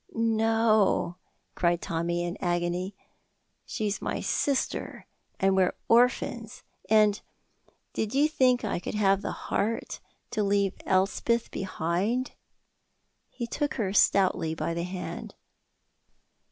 "No," cried Tommy, in agony, "she's my sister, and we're orphans, and did you think I could have the heart to leave Elspeth behind?" He took her stoutly by the hand.